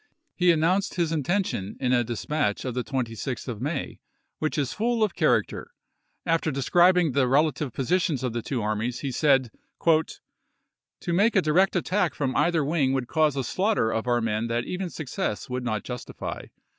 He announced his intention in a dispatch of the 26th of May, which is full of char i864. acter. After describing the relative positions of the two armies, he said, " To make a direct attack from either wing would cause a slaughter of our 390 ABRAHAM LINCOLN Chap. XV. men that even success would not justify.